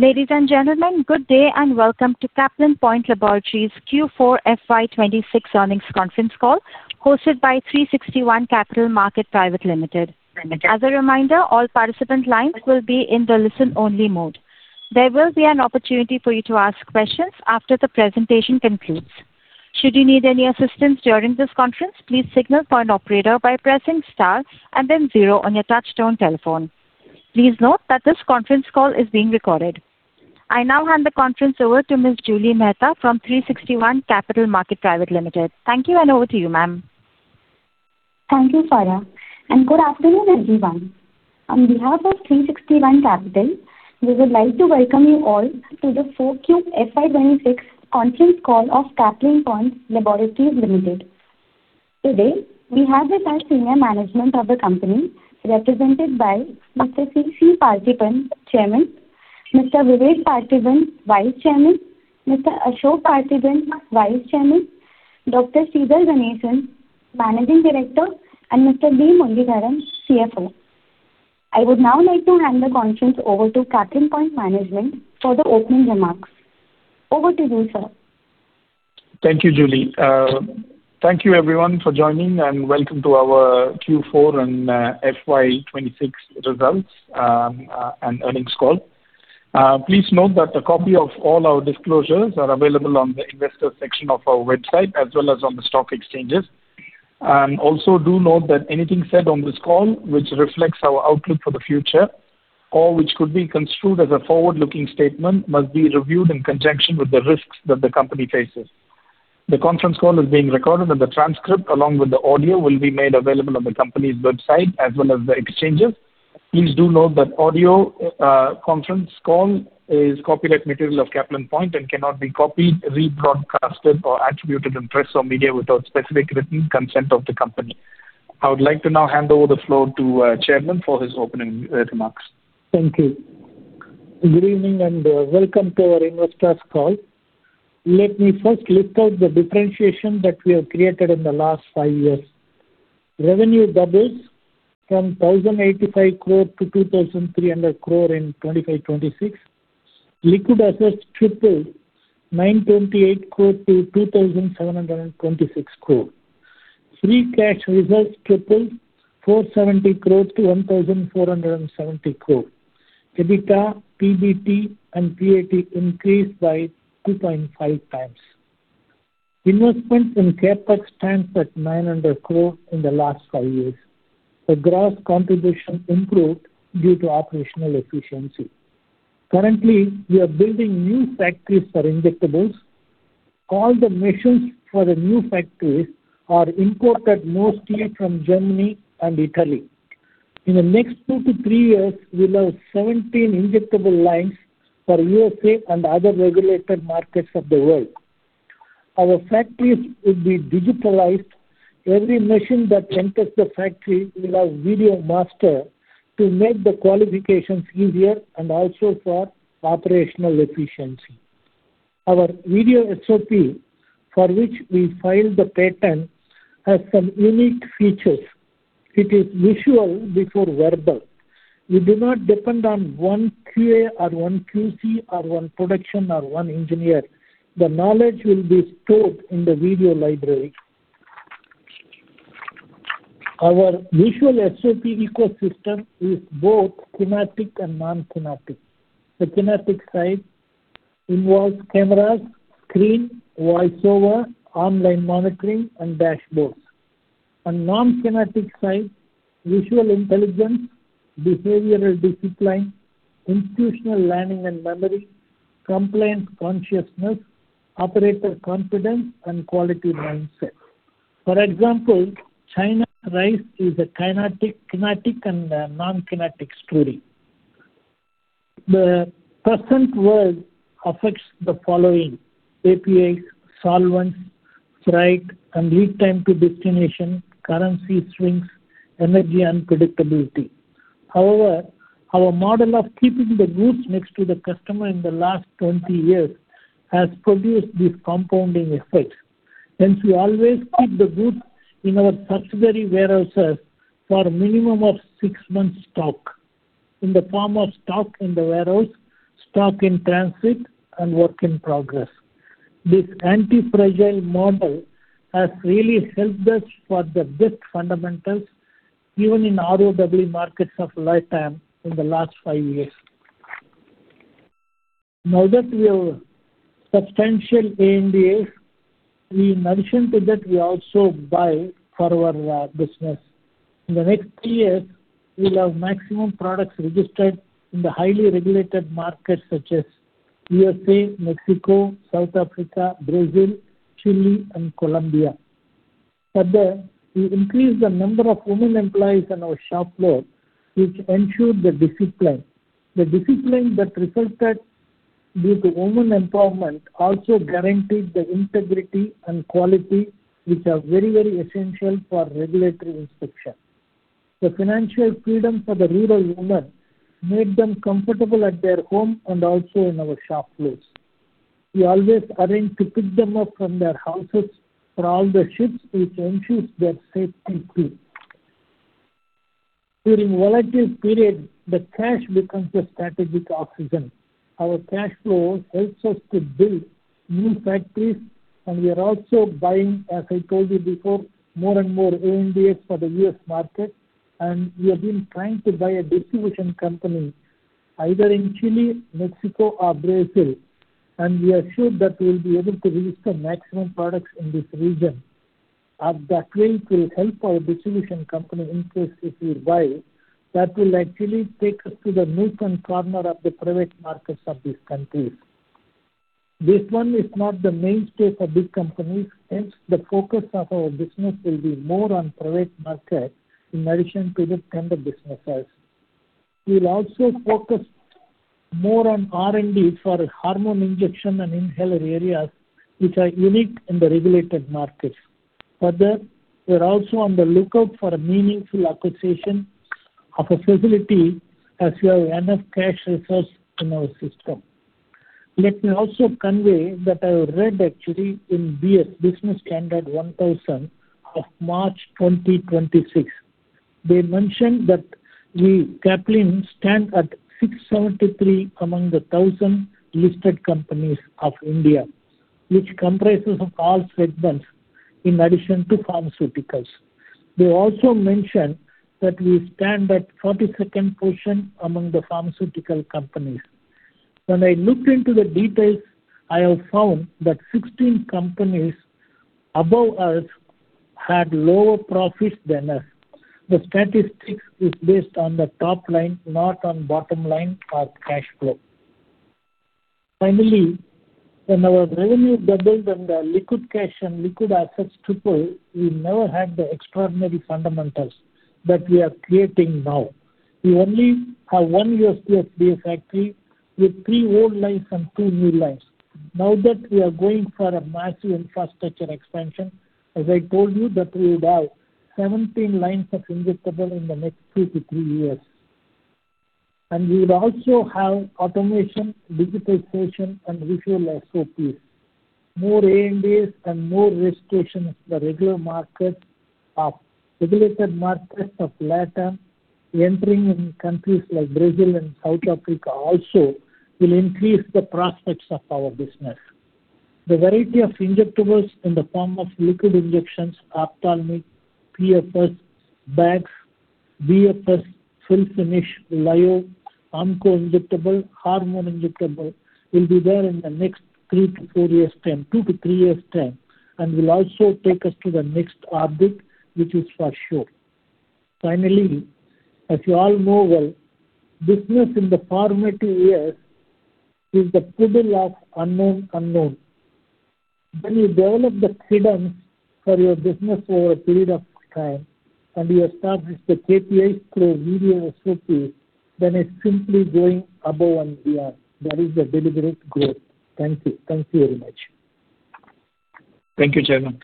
Ladies and gentlemen, good day and welcome to Caplin Point Laboratories Q4 FY 2026 earnings conference call hosted by 360 ONE Capital Market Private Limited. As a reminder, all participant lines will be in the listen-only mode. There will be an opportunity for you to ask questions after the presentation concludes. Should you need any assistance during this conference, please signal for an operator by pressing star and then zero on your touch-tone telephone. Please note that this conference call is being recorded. I now hand the conference over to Ms. Julie Mehta from 360 ONE Capital Market Private Limited. Thank you and over to you, ma'am. Thank you, Sara. Good afternoon, everyone. On behalf of 360 ONE Capital, we would like to welcome you all to the 4Q FY 2026 conference call of Caplin Point Laboratories Limited. Today, we have with us senior management of the company represented by Mr. C.C. Paarthipan, Chairman, Mr. Vivek Partheeban, Vice Chairman, Mr. Ashok Partheeban, Vice Chairman, Dr. Sridhar Ganesan, Managing Director, and Mr. D. Muralidharan, CFO. I would now like to hand the conference over to Caplin Point management for the opening remarks. Over to you, sir. Thank you, Julie. Thank you everyone for joining and welcome to our Q4 and FY 2026 results and earnings call. Please note that a copy of all our disclosures are available on the investor section of our website as well as on the stock exchanges. Also do note that anything said on this call which reflects our outlook for the future or which could be construed as a forward-looking statement must be reviewed in conjunction with the risks that the company faces. The conference call is being recorded. The transcript along with the audio will be made available on the company's website as well as the exchanges. Please do note that audio conference call is copyright material of Caplin Point and cannot be copied, rebroadcasted, or attributed in press or media without specific written consent of the company. I would like to now hand over the floor to Chairman for his opening remarks. Thank you. Good evening, welcome to our investors call. Let me first list out the differentiation that we have created in the last five years. Revenue doubles from 1,085 crore-2,300 crore in 2025-2026. Liquid assets tripled, 928 crore-2,726 crore. Free cash reserves tripled, 470 crore-1,470 crore. EBITDA, PBT and PAT increased by 2.5x. Investment in CapEx stands at 900 crore in the last five years. The gross contribution improved due to operational efficiency. Currently, we are building new factories for injectables. All the machines for the new factories are imported mostly from Germany and Italy. In the next two to three years, we'll have 17 injectable lines for U.S. and other regulated markets of the world. Our factories will be digitalized. Every machine that enters the factory will have video master to make the qualifications easier and also for operational efficiency. Our video SOP, for which we filed the patent, has some unique features. It is visual before verbal. We do not depend on one QA or one QC or one production or one engineer. The knowledge will be stored in the video library. Our visual SOP ecosystem is both kinetic and non-kinetic. The kinetic side involves cameras, screen, voice-over, online monitoring and dashboards. Non-kinetic side, visual intelligence, behavioral discipline, institutional learning and memory, compliance consciousness, operator confidence and quality mindset. For example, China rise is a kinetic and a non-kinetic story. The present world affects the following: APIs, solvents, freight and lead time to destination, currency swings, energy unpredictability. However, our model of keeping the goods next to the customer in the last 20 years has produced this compounding effect. Hence, we always keep the goods in our subsidiary warehouses for a minimum of six months' stock in the form of stock in the warehouse, stock in transit and work in progress. This anti-fragile model has really helped us for the best fundamentals, even in ROW markets of lifetime in the last five years. Now that we have substantial ANDAs, we mention to that we also buy for our business. In the next three years, we'll have maximum products registered in the highly regulated markets such as U.S.A., Mexico, South Africa, Brazil, Chile and Colombia. Further, we increased the number of women employees on our shop floor, which ensured the discipline. The discipline that resulted due to women empowerment also guaranteed the integrity and quality, which are very, very essential for regulatory inspection. The financial freedom for the rural women made them comfortable at their home and also in our shop floors. We always arrange to pick them up from their houses for all the shifts, which ensures their safety too. During volatile period, the cash becomes a strategic oxygen. Our cash flow helps us to build new factories. We are also buying, as I told you before, more and more ANDAs for the U.S. market. We have been trying to buy a distribution company either in Chile, Mexico or Brazil. We are sure that we'll be able to reach the maximum products in this region. At that rate, we'll help our distribution company interest if we buy. That will actually take us to the nook and corner of the private markets of these countries. This one is not the mainstay for big companies, hence the focus of our business will be more on private market in addition to the tender businesses. We'll also focus more on R&D for hormone injection and inhaler areas which are unique in the regulated markets. We're also on the lookout for a meaningful acquisition of a facility as we have enough cash resource in our system. Let me also convey that I read actually in BS, Business Standard 1,000 of March 2026. They mentioned that we, Caplin, stand at 673 among the 1,000 listed companies of India, which comprises of all segments in addition to pharmaceuticals. They also mentioned that we stand at 42nd position among the pharmaceutical companies. When I looked into the details, I have found that 16 companies above us had lower profits than us. The statistics is based on the top line, not on bottom line or cash flow. Finally, when our revenue doubled and the liquid cash and liquid assets triple, we never had the extraordinary fundamentals that we are creating now. We only have one CP-I factory with three old lines and two new lines. Now that we are going for a massive infrastructure expansion, as I told you that we would have 17 lines of injectable in the next two to three years. We would also have automation, digitalization, and visual SOPs. More ANDAs and more registrations, the regular market of regulated markets of LATAM entering in countries like Brazil and South Africa also will increase the prospects of our business. The variety of injectables in the form of liquid injections, ophthalmic, PFS, bags, BFS, fill finish, lyo, onco injectable, hormone injectable will be there in the next two to three years' time, and will also take us to the next orbit, which is for sure. Finally, as you all know well, business in the formative years is the puddle of unknown unknown. When you develop the freedom for your business over a period of time, and you establish the KPIs through video SOPs, then it's simply going above and beyond. That is the deliberate growth. Thank you. Thank you very much. Thank you, Chairman.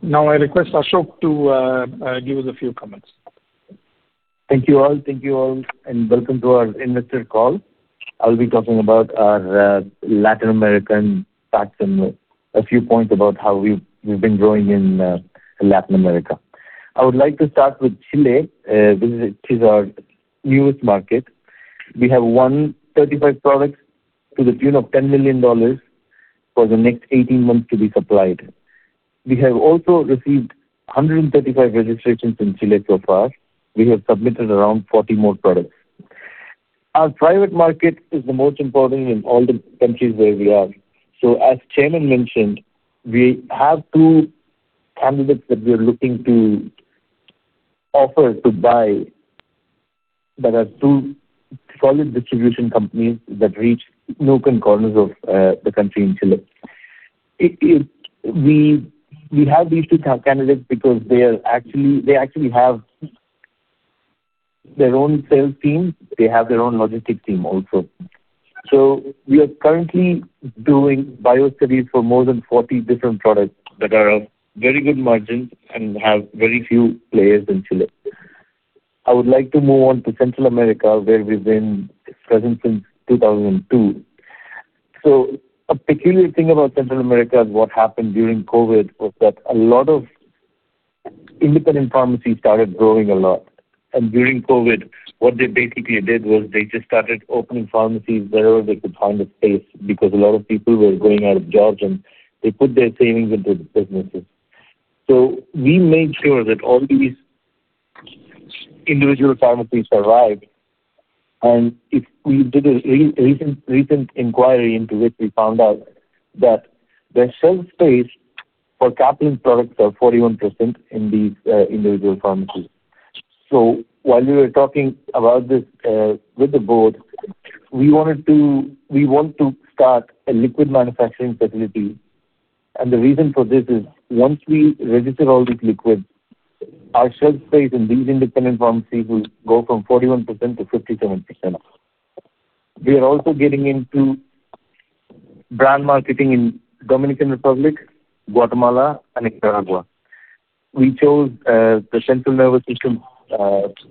Now I request Ashok to give us a few comments. Thank you all, and welcome to our investor call. I'll be talking about our Latin American facts and a few points about how we've been growing in Latin America. I would like to start with Chile, which is our newest market. We have 135 products to the tune of $10 million for the next 18 months to be supplied. We have also received 135 registrations in Chile so far. We have submitted around 40 more products. Our private market is the most important in all the countries where we are. As Chairman mentioned, we have two candidates that we are looking to offer to buy that are two solid distribution companies that reach nook and corners of the country in Chile. We have these two candidates because they actually have their own sales teams. They have their own logistic team also. We are currently doing bio-studies for more than 40 different products that are of very good margins and have very few players in Chile. I would like to move on to Central America, where we've been present since 2002. A peculiar thing about Central America and what happened during COVID was that a lot of independent pharmacies started growing a lot. During COVID, what they basically did was they just started opening pharmacies wherever they could find the space because a lot of people were going out of jobs and they put their savings into the businesses. We made sure that all these individual pharmacies survived. If we did a recent inquiry into it, we found out that the shelf space for Caplin products are 41% in these individual pharmacies. While we were talking about this with the board, we want to start a liquid manufacturing facility. The reason for this is once we register all these liquids, our shelf space in these independent pharmacies will go from 41% to 57%. We are also getting into brand marketing in Dominican Republic, Guatemala and Nicaragua. We chose the central nervous system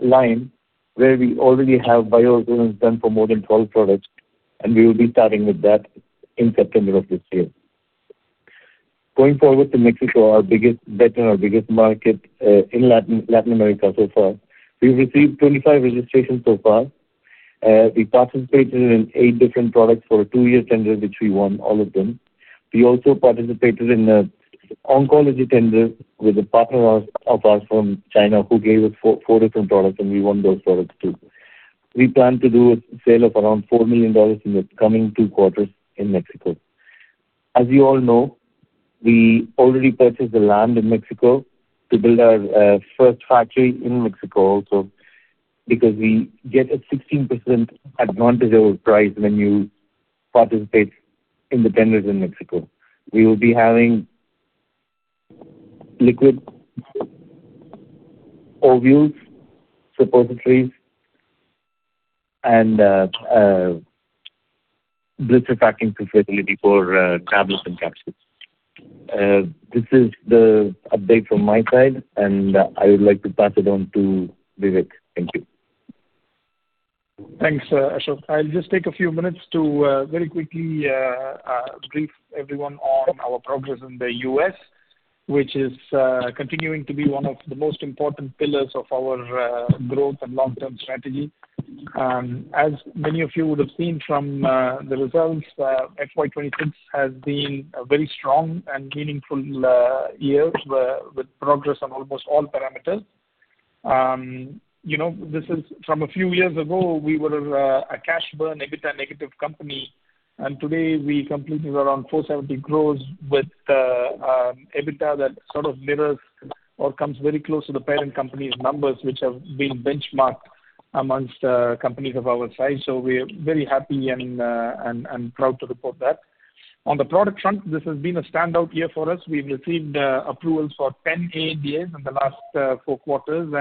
line where we already have bioavailability done for more than 12 products, and we will be starting with that in September of this year. Going forward to Mexico, our biggest bet and our biggest market in Latin America so far. We've received 25 registrations so far. We participated in eight different products for a two-year tender, which we won all of them. We also participated in a oncology tender with a partner of us from China who gave us four different products, and we won those products too. We plan to do a sale of around $4 million in the coming two quarters in Mexico. As you all know, we already purchased the land in Mexico to build our first factory in Mexico also because we get a 16% advantage over price when you participate in the tenders in Mexico. We will be having liquid ovules, suppositories, and a blister packing facility for tablets and capsules. This is the update from my side, and I would like to pass it on to Vivek. Thank you. Thanks, Ashok. I'll just take a few minutes to very quickly brief everyone on our progress in the U.S., which is continuing to be one of the most important pillars of our growth and long-term strategy. As many of you would have seen from the results, FY 2026 has been a very strong and meaningful year with progress on almost all parameters. You know, this is from a few years ago, we were a cash burn, EBITDA negative company, and today we completed around 470% growth with EBITDA that sort of mirrors or comes very close to the parent company's numbers, which have been benchmarked amongst companies of our size. We're very happy and proud to report that. On the product front, this has been a standout year for us. We've received approvals for 10 ANDAs in the last four quarters.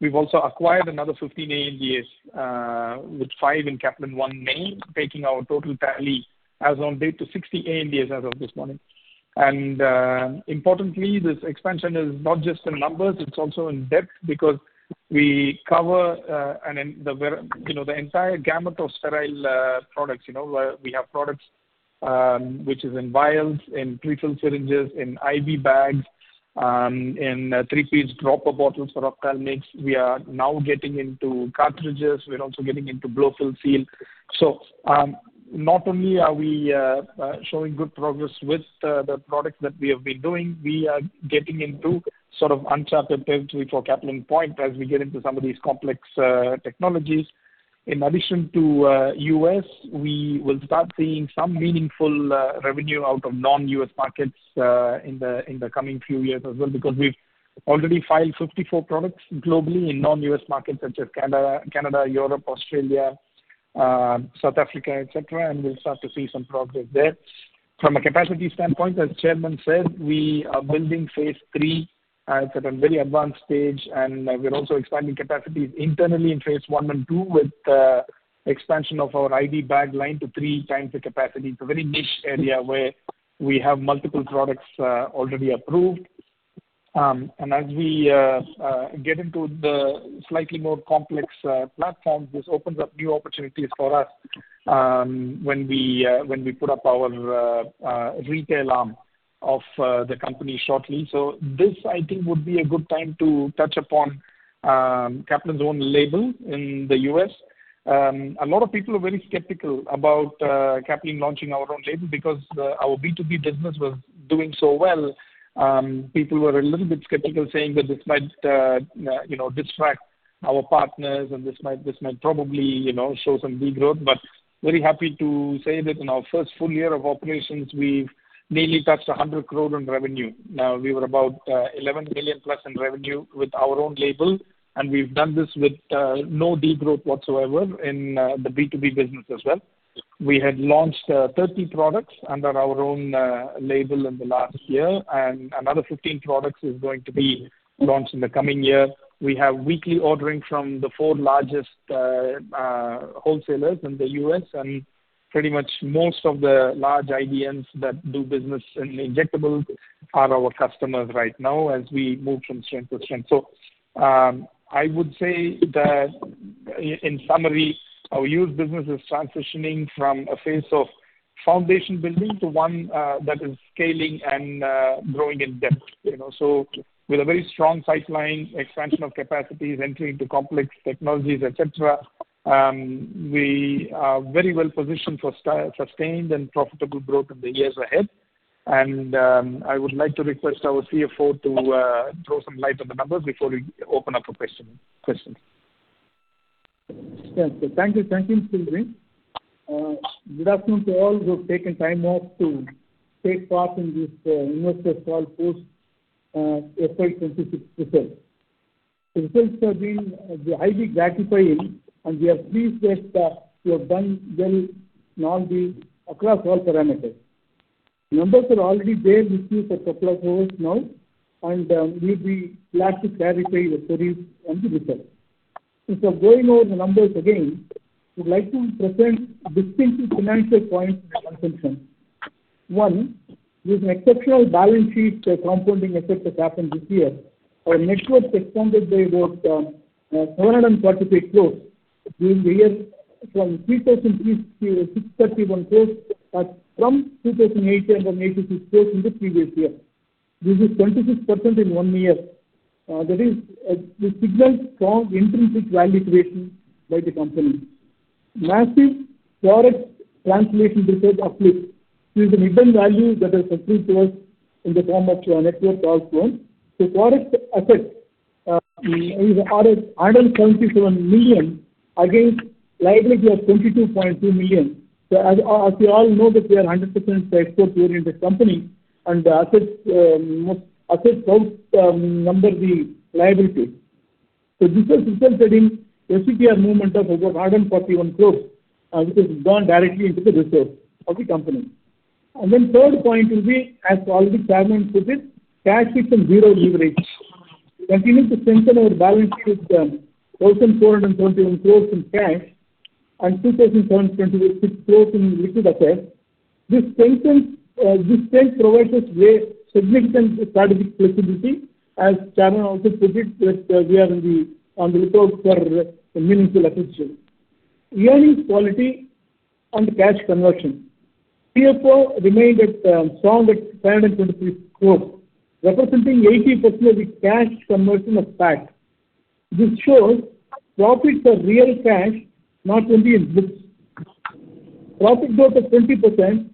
We've also acquired another 15 ANDAs with five in Caplin One main, taking our total tally as on date to 60 ANDAs as of this morning. Importantly, this expansion is not just in numbers, it's also in depth because we cover, you know, the entire gamut of sterile products. You know, we have products which is in vials, in prefilled syringes, in IV bags, in three-piece dropper bottles for ophthalmics. We are now getting into cartridges. We're also getting into blow-fill-seal. Not only are we showing good progress with the products that we have been doing, we are getting into sort of uncharted territory for Caplin Point as we get into some of these complex technologies. In addition to U.S., we will start seeing some meaningful revenue out of non-U.S. markets in the coming few years as well, because we've already filed 54 products globally in non-U.S. markets such as Canada, Europe, Australia, South Africa, et cetera, and we'll start to see some progress there. From a capacity standpoint, as Chairman said, we are building phase III. It's at a very advanced stage, and we're also expanding capacities internally in phase I and II with expansion of our IV bag line to three times the capacity. It's a very niche area where we have multiple products already approved. As we get into the slightly more complex platforms, this opens up new opportunities for us when we put up our retail arm of the company shortly. This, I think, would be a good time to touch upon Caplin's own label in the U.S. A lot of people are very skeptical about Caplin launching our own label because our B2B business was doing so well. People were a little bit skeptical saying that this might, you know, distract our partners and this might probably, you know, show some degrowth. Very happy to say that in our first full year of operations, we've nearly touched 100 crore in revenue. We were about $11 million+ in revenue with our own label, and we've done this with no degrowth whatsoever in the B2B business as well. We had launched 30 products under our own label in the last year, and another 15 products is going to be launched in the coming year. We have weekly ordering from the four largest wholesalers in the U.S. and pretty much most of the large IDNs that do business in injectables are our customers right now as we move from strength to strength. I would say that in summary, our U.S. business is transitioning from a phase of foundation building to one that is scaling and growing in depth. You know, with a very strong pipeline, expansion of capacities, entry into complex technologies, et cetera, we are very well positioned for sustained and profitable growth in the years ahead. I would like to request our CFO to throw some light on the numbers before we open up for questions. Yes. Thank you. Thank you, Vivek. Good afternoon to all who have taken time off to take part in this investor call post FY 2026 results. The results have been highly gratifying, and we are pleased that we have done well across all parameters. The numbers are already there with you for a couple of hours now, and we'll be glad to clarify your queries on the results. Instead of going over the numbers again, we'd like to present a distinctive financial point for your consumption. One, with an exceptional balance sheet, the compounding effect has happened this year. Our net worth expanded by about 748 crores. During the year from 3,366.31 crores from 2,086 crores in the previous year. This is 26% in one year. That is, this signals strong intrinsic value creation by the company. Massive Forex Translation Reserve uplift is the hidden value that has accrued to us in the form of our net worth as well. Forex assets is at $177 million against liability of $22.2 million. As you all know that we are a 100% export-oriented company and assets out number the liability. This has resulted in an FCTR movement of over 141 crores, which has gone directly into the reserve of the company. Third point will be, as already Chairman put it, cash position zero leverage. We continue to strengthen our balance sheet, 1,421 crores in cash and 2,728 crores in liquid assets. This strength provides us with significant strategic flexibility as chairman also put it that we are on the lookout for meaningful acquisition. Earnings quality and cash conversion. CFO remained strong at 523 crores, representing 80% of the cash conversion of PAT. This shows profits are real cash, not only in books. Profit growth of 20%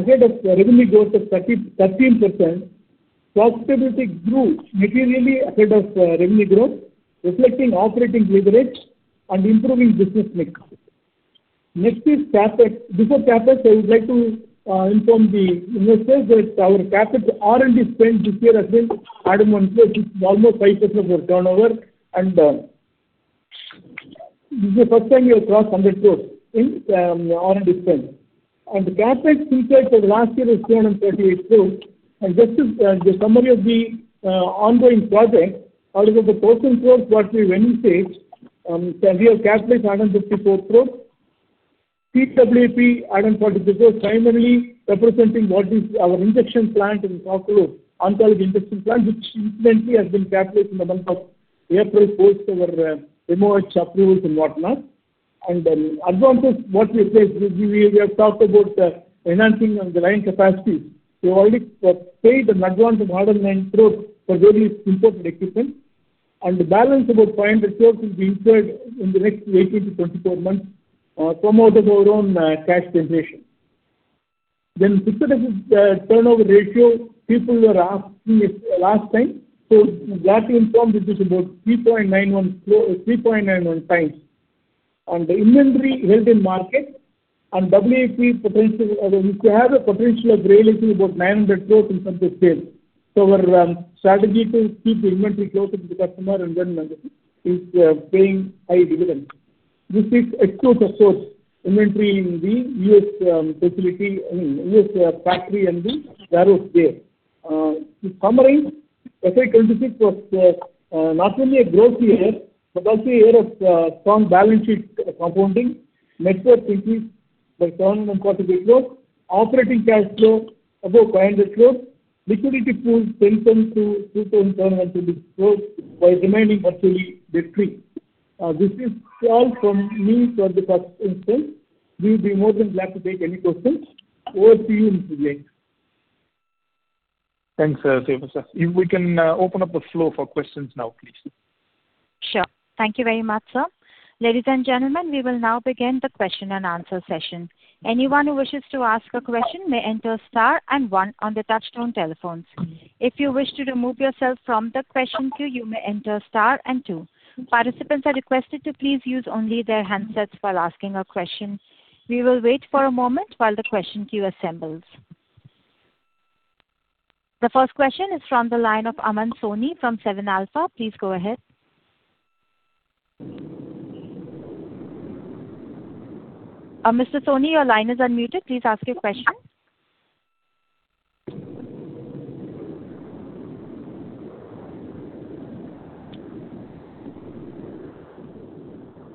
ahead of revenue growth of 13%. Profitability grew materially ahead of revenue growth, reflecting operating leverage and improving business mix. Next is CapEx. Before CapEx, I would like to inform the investors that our CapEx R&D spend this year has been INR 101 crores. It's almost 5% of our turnover. This is the first time we have crossed 100 crores in R&D spend. CapEx incurred for the last year is 238 crores. Just a summary of the ongoing project. Out of the 14 crores what we've envisaged, we have capitalized 154 crores. CWIP 143 crores, primarily representing what is our injection plant in Kakkalur, oncology injection plant, which incidentally has been capitalized in the month of April post our MOH approvals and whatnot. Advances what we expect. We have talked about enhancing on the line capacity. We already have paid an advance of INR 109 crores for various imported equipment. The balance about 500 crores will be incurred in the next 18-24 months from out of our own cash generation. Fixed assets turnover ratio, people were asking it last time. Gladly informed it is about 3.91x. The inventory held in market and CWIP potential, which we have a potential of realizing about 900 crores in terms of sales. Our strategy to keep the inventory closer to the customer and then is paying high dividends. This excludes, of course, inventory in the U.S. facility, in U.S. factory and the warehouse there. To summarize, FY 2026 was not only a growth year, but also a year of strong balance sheet compounding. Net worth increased by 748 crores. Operating cash flow above 500 crores. Liquidity pool strengthened to 2,720 crores while remaining virtually debt-free. This is all from me for the first instance. We'll be more than glad to take any questions. Over to you, Vivek. Thanks, Muralidharan. If we can open up the floor for questions now, please. Sure. Thank you very much, sir. Ladies and gentlemen, we will now begin the question and answer session. Anyone who wishes to ask a question may enter star and one on their touchtone telephones. If you wish to remove yourself from the question queue, you may enter star and two. Participants are requested to please use only their handsets while asking a question. We will wait for a moment while the question queue assembles. The first question is from the line of Aman Soni from Seven Alpha. Please go ahead. Mr. Soni, your line is unmuted. Please ask your question.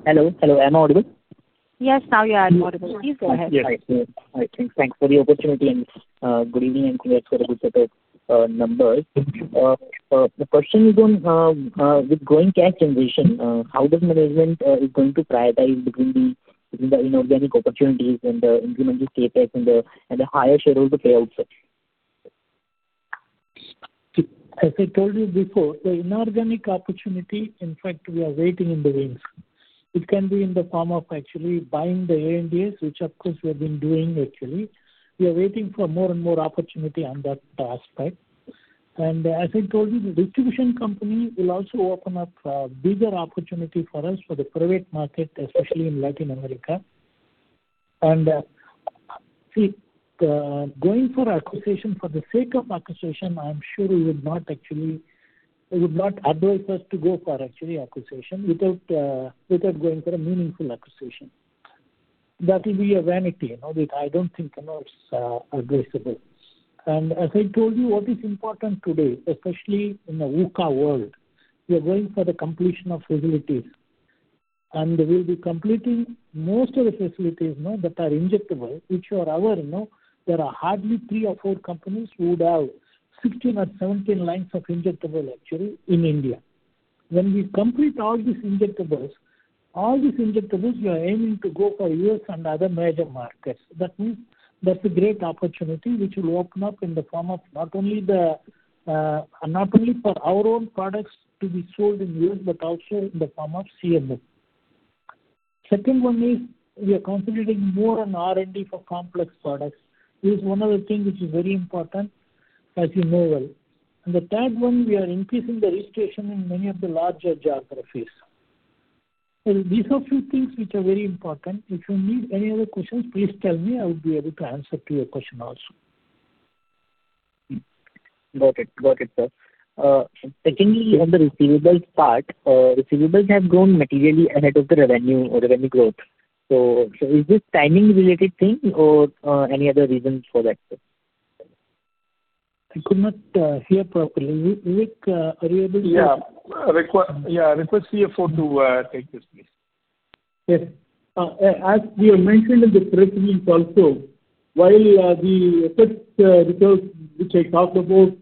Hello, hello. Am I audible? Yes, now you are audible. Please go ahead. Yes. Yes. Right. Yeah. Right. Thanks for the opportunity. Good evening and congrats for a good set of numbers. The question is on with growing cash generation, how does management is going to prioritize between the inorganic opportunities and implement the CapEx and the higher shareholder payouts, sir? As I told you before, the inorganic opportunity, in fact, we are waiting in the wings. It can be in the form of actually buying the ANDAs, which of course we have been doing actually. We are waiting for more and more opportunity on that aspect. As I told you, the distribution company will also open up a bigger opportunity for us for the private market, especially in Latin America. See, going for acquisition for the sake of acquisition, I'm sure you would not actually it would not advise us to go for actually acquisition without without going for a meaningful acquisition. That will be a vanity, you know. That I don't think, you know, it's advisable. As I told you, what is important today, especially in the VUCA world, we are going for the completion of facilities, and we'll be completing most of the facilities, you know, that are injectable, which you are aware, you know, there are hardly three or four companies who would have 16 or 17 lines of injectable actually in India. When we complete all these injectables, all these injectables we are aiming to go for U.S. and other major markets. That means that's a great opportunity which will open up in the form of not only the, not only for our own products to be sold in U.S., but also in the form of CMO. Second one is we are concentrating more on R&D for complex products. This is one of the things which is very important, as you know well. The third one, we are increasing the registration in many of the larger geographies. These are few things which are very important. If you need any other questions, please tell me. I would be able to answer to your question also. Got it. Got it, sir. Secondly, on the receivables part, receivables have grown materially ahead of the revenue or revenue growth. Is this timing-related thing or any other reasons for that, sir? I could not hear properly. Vivek, are you able to- Yeah. Yeah, request CFO to take this, please. Yes. As we have mentioned in the press release also, while the effect results which I talked about,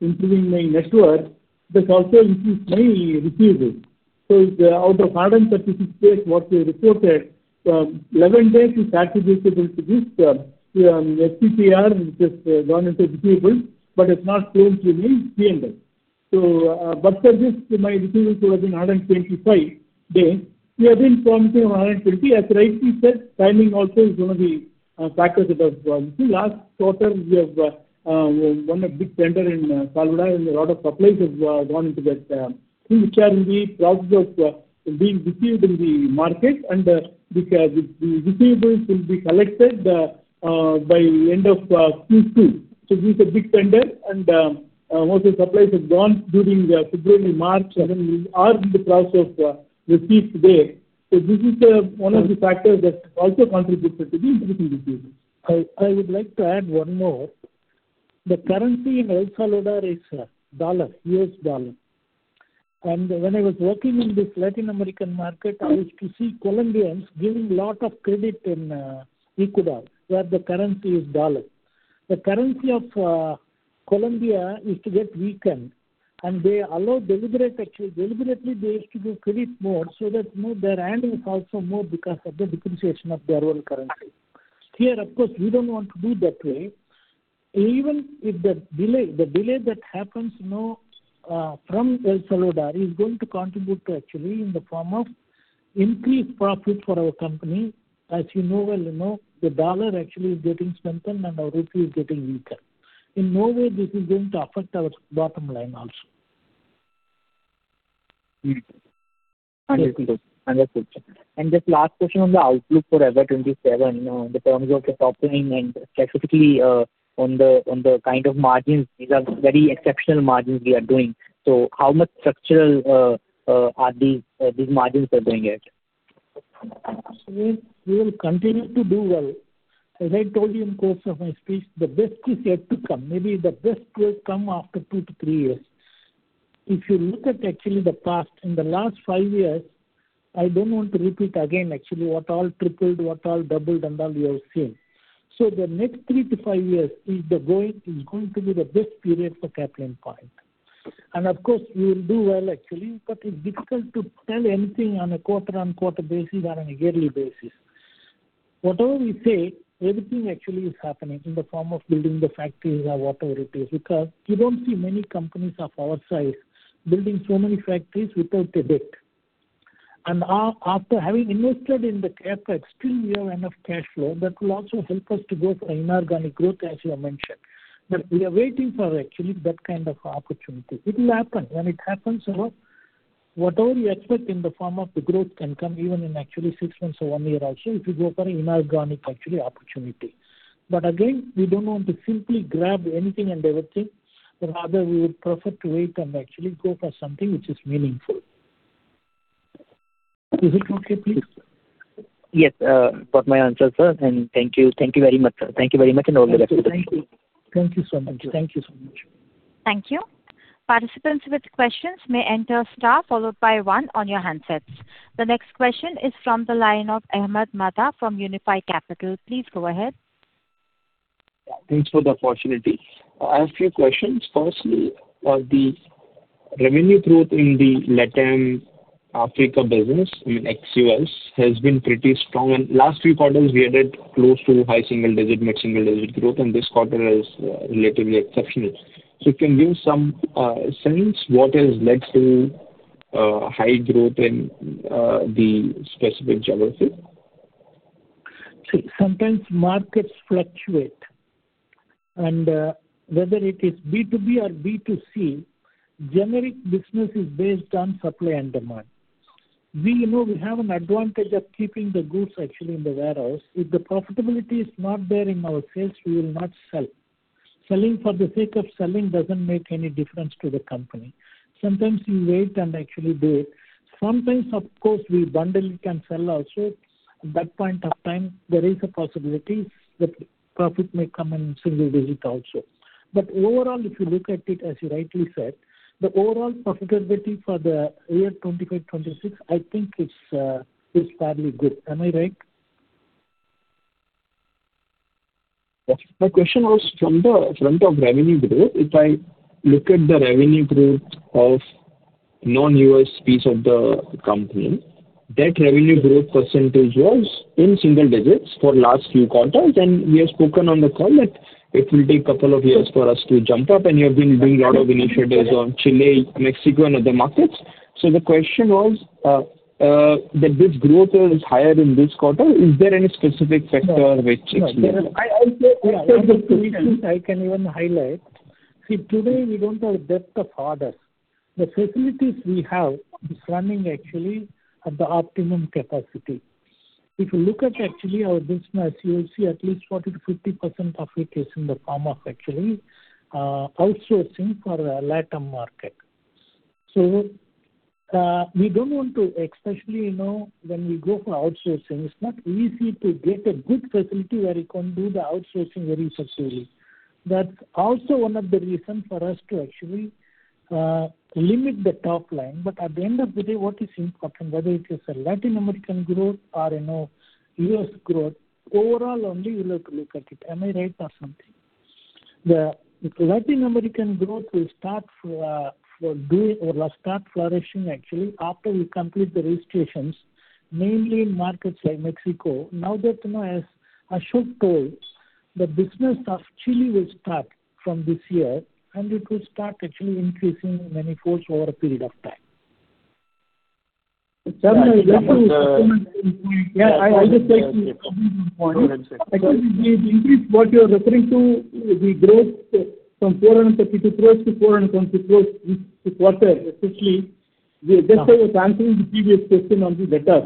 improving my network, this also increases my receivables. If the out of 136 days what we reported, 11 days is attributable to this FCTAR which has gone into receivables, it's not going to remain permanent. But for this my receivables would have been 125 days. We have been forming 150. As rightly said, timing also is one of the factors that have gone. Last quarter we have won a big tender in El Salvador, and a lot of supplies have gone into that which are in the process of being received in the market. The receivables will be collected by end of Q2. This is a big tender and most of the supplies have gone during February, March, and then we are in the process of receipt there. This is one of the factors that also contributed to the increase in receivables. I would like to add one more. The currency in El Salvador is U.S. dollar. When I was working in this Latin American market, I used to see Colombians giving lot of credit in Ecuador, where the currency is dollar. The currency of Colombia used to get weakened, and they allow deliberate actually. Deliberately, they used to do credit more so that, you know, their earning is also more because of the depreciation of their own currency. Here, of course, we don't want to do it that way. Even if the delay that happens, you know, from El Salvador is going to contribute to actually in the form of increased profit for our company. As you know well, the dollar actually is getting strengthened and our rupee is getting weaker. In no way this is going to affect our bottom line also. Understood. Understood, sir. Just last question on the outlook for FY 2027, in the terms of the top line and specifically, on the kind of margins. These are very exceptional margins we are doing. How much structural are these margins are going at, sir? We will continue to do well. As I told you in course of my speech, the best is yet to come. Maybe the best will come after two to three years. If you look at actually the past, in the last five years, I don't want to repeat again actually what all tripled, what all doubled and all you have seen. The next three to five years is going to be the best period for Caplin Point. Of course, we will do well actually, but it's difficult to tell anything on a quarter-on-quarter basis or on a yearly basis. Whatever we say, everything actually is happening in the form of building the factories or whatever it is. You don't see many companies of our size building so many factories without a debt. After having invested in the CapEx, still we have enough cash flow that will also help us to go for inorganic growth, as you have mentioned. We are waiting for actually that kind of opportunity. It will happen. When it happens, you know, whatever you expect in the form of the growth can come even in actually six months or one year also if you go for inorganic actually opportunity. Again, we don't want to simply grab anything and everything. Rather, we would prefer to wait and actually go for something which is meaningful. Is it okay, please? Yes, got my answer, sir. Thank you. Thank you very much, sir. Thank you very much. All the best to the team. Thank you. Thank you. Thank you so much. Thank you so much. Thank you. Participants with questions may enter star followed by one on your handsets. The next question is from the line of Ahmed Madha from Unifi Capital. Please go ahead. Thanks for the opportunity. I have few questions. Firstly, the revenue growth in the LATAM Africa business, I mean ex-U.S., has been pretty strong. Last few quarters we added close to high single-digit, mid-single-digit growth, and this quarter is relatively exceptional. Can you give some sense what has led to high growth in the specific geographies? Sometimes markets fluctuate, and whether it is B2B or B2C, generic business is based on supply and demand. You know, we have an advantage of keeping the goods actually in the warehouse. If the profitability is not there in our sales, we will not sell. Selling for the sake of selling doesn't make any difference to the company. Sometimes we wait and actually do it. Sometimes, of course, we bundle it and sell also. At that point of time, there is a possibility that profit may come in single digit also. Overall, if you look at it, as you rightly said, the overall profitability for the year 2025, 2026, I think it's is fairly good. Am I right? My question was from the front of revenue growth. If I look at the revenue growth of non-U.S. piece of the company, that revenue growth percentage was in single digits for last few quarters, and we have spoken on the call that it will take couple of years for us to jump up, and you have been doing a lot of initiatives on Chile, Mexico, and other markets. The question was that this growth was higher in this quarter. Is there any specific factor which is leading? No, no. Yeah. One of the reasons I can even highlight. See, today we don't have a depth of orders. The facilities we have is running actually at the optimum capacity. If you look at actually our business, you will see at least 40%-50% of it is in the form of actually outsourcing for the LATAM market. We don't want to especially, you know, when we go for outsourcing, it's not easy to get a good facility where you can do the outsourcing very successfully. That's also one of the reasons for us to actually limit the top line. At the end of the day, what is important, whether it is a Latin American growth or, you know, U.S. growth, overall only you'll have to look at it. Am I right or something? The Latin American growth will start for good or will start flourishing actually after we complete the registrations, mainly in markets like Mexico. That, you know, as Ashok told, the business of Chile will start from this year, and it will start actually increasing in many folds over a period of time. Yeah, I think. Chairman, I just want to supplement one point. Yeah. I just like to supplement one point. The increase what you are referring to, the growth from INR 452 crores-INR 460 crores this quarter, especially just now you were answering the previous question on the LATAM.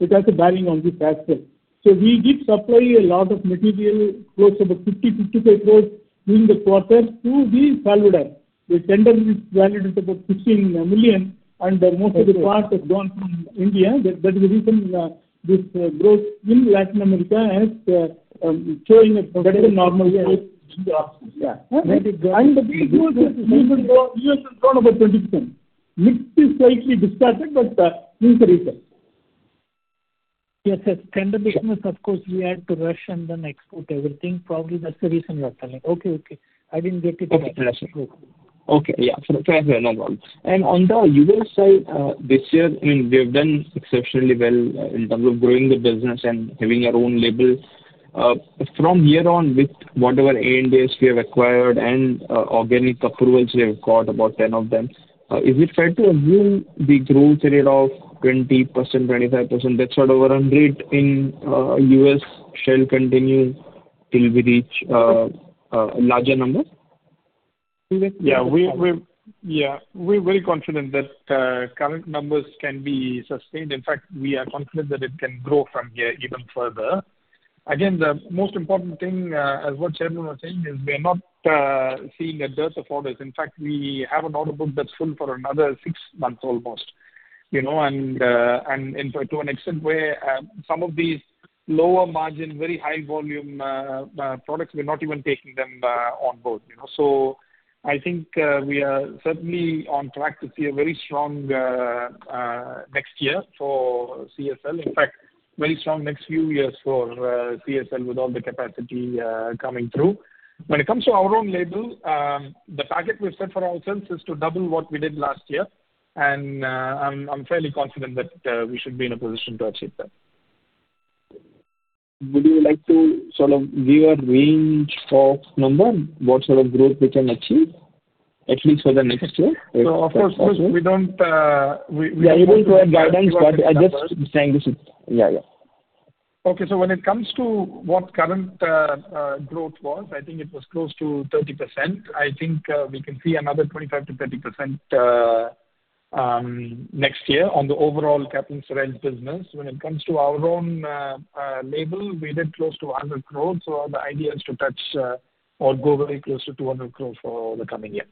It has a bearing on this aspect. We did supply a lot of material close about 50 crores-55 crores during the quarter to El Salvador. The tender is valued at about $15 million, and most of the parts have gone from India. That is the reason, this growth in Latin America has showing a better than normal growth in the offices. Yeah. We grew this even though U.S. has grown about 20%. Mix is slightly distorted, but this is the reason. Yes, yes. Tender business, of course, we had to rush and then export everything. Probably that's the reason you are telling. Okay. Okay. I didn't get it. Okay. That's it. Okay. Yeah. Fair, fair. Not at all. On the U.S. side, this year, I mean, we have done exceptionally well in terms of growing the business and having our own label. From here on with whatever ANDAs we have acquired and organic approvals we have got about 10 of them. If we try to assume the growth rate of 20%, 25%, that sort of run rate in U.S. shall continue till we reach larger numbers. Yeah. We're very confident that current numbers can be sustained. We are confident that it can grow from here even further. The most important thing as what Chairman was saying, is we are not seeing a dearth of orders. We have an order book that's full for another six months almost. You know, in fact to an extent where some of these lower margin, very high volume products, we're not even taking them on board, you know. I think we are certainly on track to see a very strong next year for CSL. Very strong next few years for CSL with all the capacity coming through. When it comes to our own label, the target we've set for ourselves is to double what we did last year. I'm fairly confident that we should be in a position to achieve that. Would you like to sort of give a range for number? What sort of growth we can achieve at least for the next year? Of course, since we don't, we. You are able to give guidance, but I just saying this is Yeah. Yeah. Okay. When it comes to what current growth was, I think it was close to 30%. I think, we can see another 25%-30% next year on the overall Caplin Steriles business. When it comes to our own label, we did close to 100 crore. The idea is to touch or go very close to 200 crore for the coming year.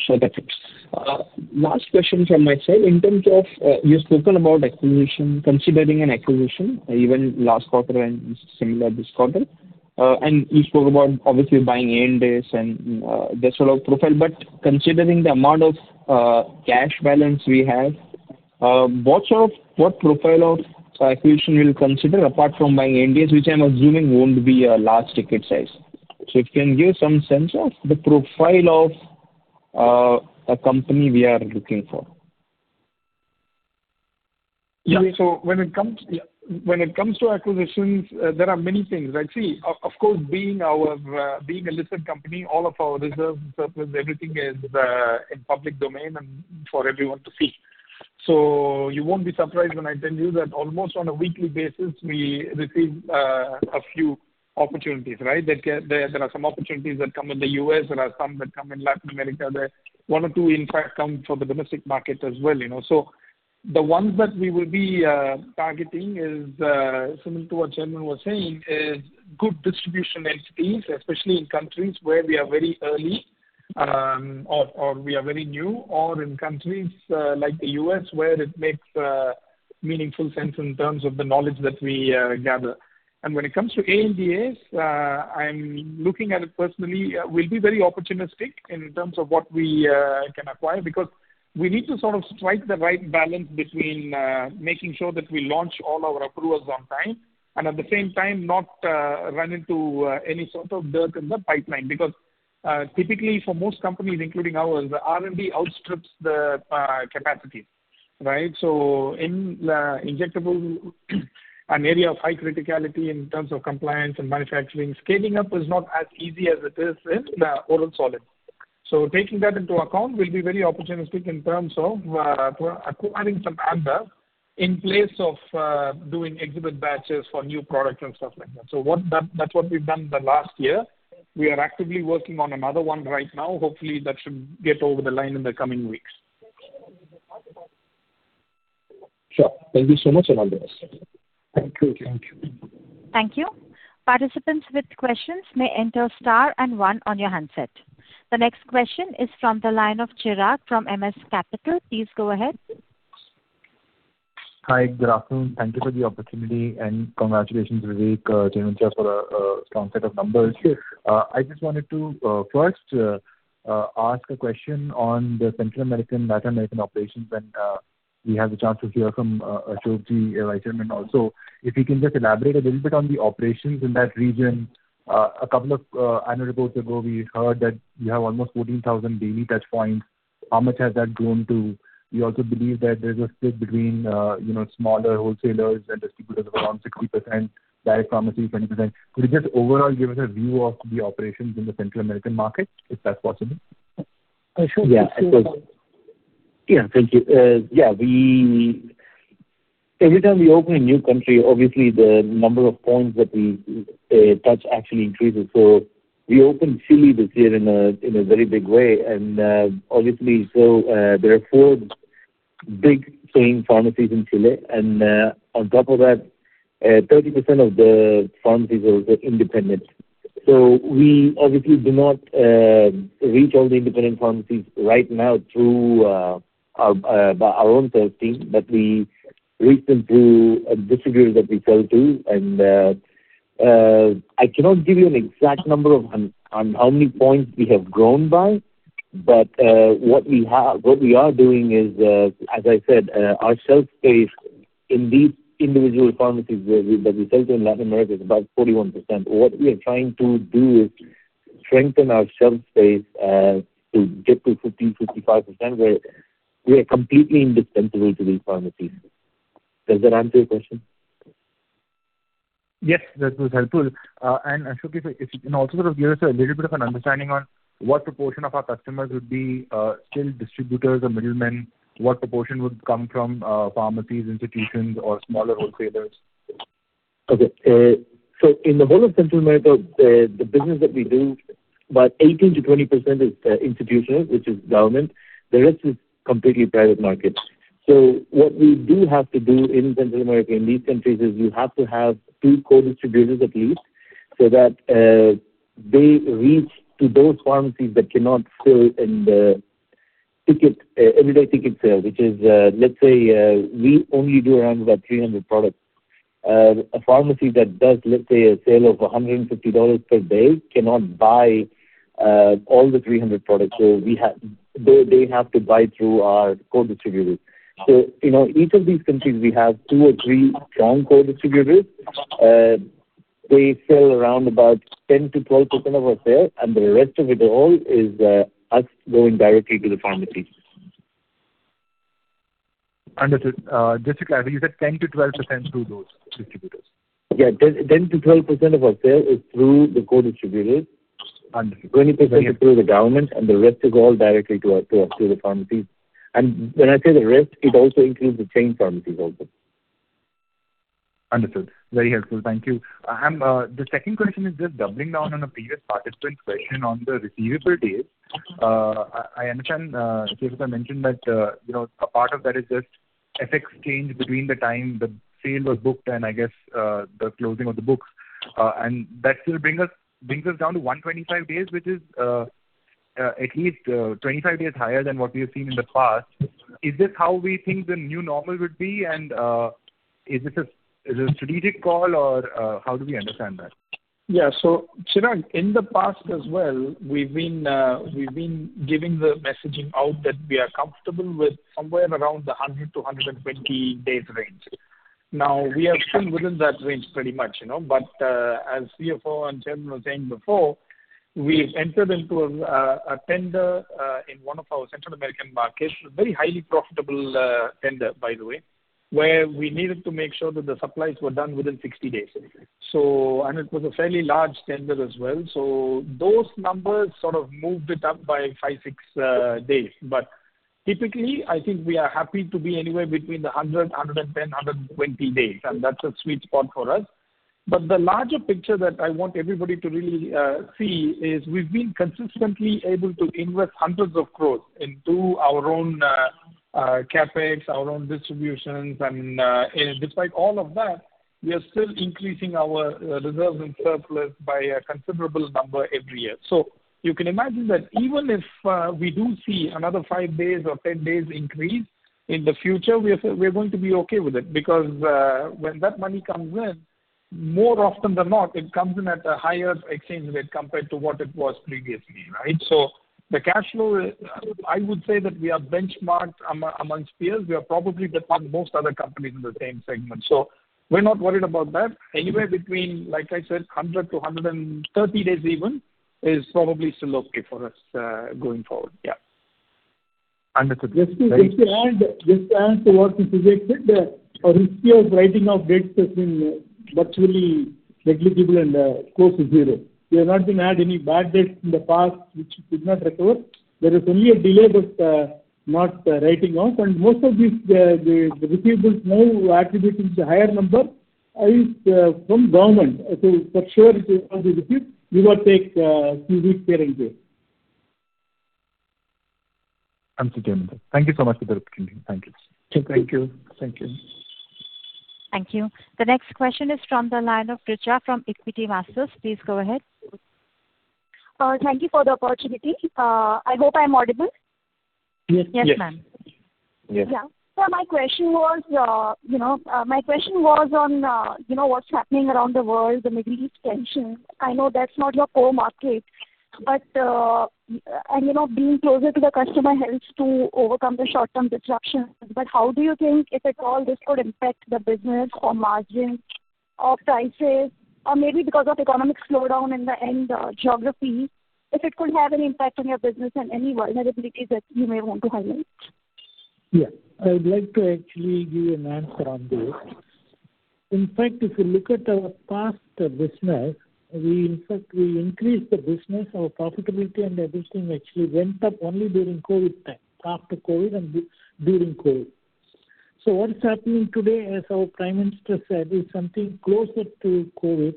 Sure. That helps. last question from my side. In terms of, you've spoken about acquisition, considering an acquisition even last quarter and similar this quarter. and you spoke about obviously buying ANDAs and, that sort of profile. Considering the amount of, cash balance we have, what profile of acquisition you'll consider apart from buying ANDAs, which I'm assuming won't be a large ticket size. If you can give some sense of the profile of, a company we are looking for. Yeah. When it comes to acquisitions, there are many things. Actually, of course, being our, being a listed company, all of our reserves, surplus, everything is in public domain and for everyone to see. You won't be surprised when I tell you that almost on a weekly basis we receive a few opportunities, right? There are some opportunities that come in the U.S., there are some that come in Latin America. One or two, in fact, come from the domestic market as well, you know. The ones that we will be targeting is similar to what Chairman was saying, is good distribution entities, especially in countries where we are very early, or we are very new, or in countries like the U.S., where it makes meaningful sense in terms of the knowledge that we gather. When it comes to ANDAs, I'm looking at it personally, we'll be very opportunistic in terms of what we can acquire because we need to sort of strike the right balance between making sure that we launch all our approvals on time and at the same time not run into any sort of dirt in the pipeline. Typically for most companies, including ours, the R&D outstrips the capacity, right? In the injectable, an area of high criticality in terms of compliance and manufacturing, scaling up is not as easy as it is in the oral solids. Taking that into account, we'll be very opportunistic in terms of adding some ANDA in place of doing exhibit batches for new products and stuff like that. That's what we've done the last year. We are actively working on another one right now. Hopefully, that should get over the line in the coming weeks. Sure. Thank you so much, and all the best. Thank you. Thank you. Thank you. Participants with questions may enter star and one on your handset. The next question is from the line of [Chirag] from MS Capital. Please go ahead. Hi. Good afternoon. Thank you for the opportunity and congratulations, Vivek, Chairman, for a strong set of numbers. I just wanted to first ask a question on the Central American, Latin American operations, and we have the chance to hear from Ashok, Vice Chairman also. If you can just elaborate a little bit on the operations in that region. A couple of annual reports ago, we heard that you have almost 14,000 daily touchpoints. How much has that grown to. We also believe that there's a split between, you know, smaller wholesalers and distributors of around 60%, direct pharmacies, 20%. Could you just overall give us a view of the operations in the Central American market, if that's possible? Ashok Yeah. Sure. Yeah. Thank you. Yeah, we Every time we open a new country, obviously the number of points that we touch actually increases. We opened Chile this year in a, in a very big way and, obviously, there are four big chain pharmacies in Chile and, on top of that, 30% of the pharmacies are independent. We obviously do not reach all the independent pharmacies right now through our own sales team, but we reach them through a distributor that we sell to. I cannot give you an exact number on how many points we have grown by. What we are doing is, as I said, our shelf space in these individual pharmacies where we, that we sell to in Latin America is about 41%. What we are trying to do is strengthen our shelf space, to get to 50%-55%, where we are completely indispensable to these pharmacies. Does that answer your question? Yes, that was helpful. Ashok, if you can also sort of give us a little bit of an understanding on what proportion of our customers would be still distributors or middlemen, what proportion would come from pharmacies, institutions, or smaller wholesalers? Okay. In the whole of Central America, the business that we do, about 18%-20% is institutional, which is government. The rest is completely private market. What we do have to do in Central America, in these countries, is you have to have two co-distributors at least, so that they reach to those pharmacies that cannot sell in the ticket, everyday ticket sale, which is, let's say, we only do around about 300 products. A pharmacy that does, let's say, a sale of $150 per day cannot buy all the 300 products. They, they have to buy through our co-distributors. You know, each of these countries, we have two or three strong co-distributors. They sell around about 10%-12% of our sale, and the rest of it all is us going directly to the pharmacies. Understood. Just to clarify, you said 10%-12% through those distributors? Yeah. 10%-12% of our sale is through the co-distributors. Understood. 20% is through the government, and the rest is all directly to our, to the pharmacies. When I say the rest, it also includes the chain pharmacies also. Understood. Very helpful. Thank you. The second question is just doubling down on a previous participant's question on the receivable days. I understand Ashok mentioned that, you know, a part of that is just FX change between the time the sale was booked and I guess, the closing of the books. That still brings us down to 125 days, which is at least 25 days higher than what we have seen in the past. Is this how we think the new normal would be? Is it a strategic call or how do we understand that? Yeah. [Chirag], in the past as well, we've been, we've been giving the messaging out that we are comfortable with somewhere around the 100-120 days range. Now, we are still within that range pretty much, you know. As CFO and Chairman was saying before, we entered into a tender, in one of our Central American markets, very highly profitable, tender by the way, where we needed to make sure that the supplies were done within 60 days anyway. It was a fairly large tender as well. Those numbers sort of moved it up by five, six days. Typically, I think we are happy to be anywhere between the 100, 110, 120 days, and that's a sweet spot for us. The larger picture that I want everybody to really see is we've been consistently able to invest hundreds of crores into our own CapEx, our own distributions. Despite all of that, we are still increasing our reserves and surplus by a considerable number every year. You can imagine that even if we do see another five days or 10 days increase in the future, we're going to be okay with it because when that money comes in, more often than not, it comes in at a higher exchange rate compared to what it was previously, right? The cash flow, I would say that we are benchmarked amongst peers. We are probably better than most other companies in the same segment. We're not worried about that. Anywhere between, like I said, 100-130 days even is probably still okay for us going forward. Yeah. Understood. Thank you. Just to add to what Vivek said, our riskier writing off debts has been virtually negligible and our cost is zero. We have not had any bad debts in the past which we could not recover. There is only a delay but not writing off. Most of these, the receivables now attributing to higher number is from government. For sure if you want the receipt, we will take few weeks here and there. Understood, yeah. Thank you so much for the opportunity. Thank you. Thank you. Thank you. Thank you. The next question is from the line of Richa from Equitymaster. Please go ahead. Thank you for the opportunity. I hope I'm audible. Yes. Yes, ma'am. Yes. Yeah. My question was, you know, my question was on, you know, what's happening around the world, the Middle East tension. I know that's not your core market, but, you know, being closer to the customer helps to overcome the short-term disruptions. How do you think, if at all, this could impact the business or margins or prices or maybe because of economic slowdown in the end, geography, if it could have any impact on your business and any vulnerabilities that you may want to highlight? I would like to actually give an answer on this. In fact, if you look at our past business, we in fact increased the business. Our profitability and everything actually went up only during COVID time, after COVID and during COVID. What is happening today, as our prime minister said, is something closer to COVID.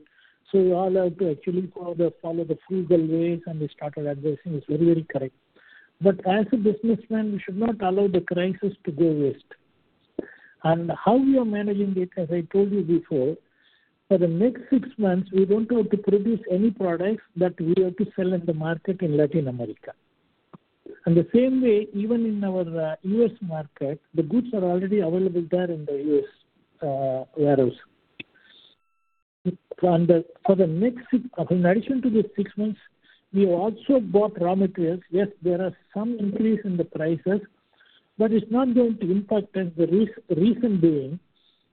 We all have to actually follow the frugal ways and we started addressing is very, very correct. As a businessman, we should not allow the crisis to go waste. How we are managing it, as I told you before, for the next six months, we don't have to produce any products that we have to sell in the market in Latin America. The same way, even in our U.S. market, the goods are already available there in the U.S. warehouse. In addition to this six months, we also bought raw materials. Yes, there are some increase in the prices, it's not going to impact us. The reason being,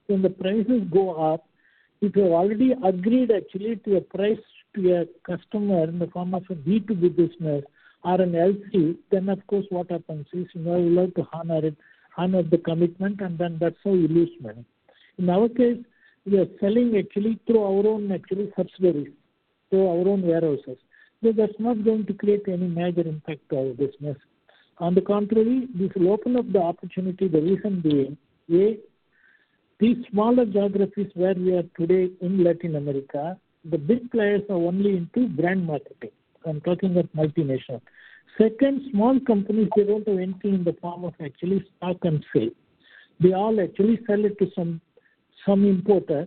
when the prices go up, if you have already agreed actually to a price to a customer in the form of a B2B business or an LC, of course what happens is, you know, you'll have to honor it, honor the commitment, that's how you lose money. In our case, we are selling actually through our own actually subsidiaries, through our own warehouses. That's not going to create any major impact to our business. On the contrary, this will open up the opportunity. The reason being, A, these smaller geographies where we are today in Latin America, the big players are only into brand marketing. I'm talking about multinational. Second, small companies who want to enter in the form of actually stock and sale. They all actually sell it to some importer.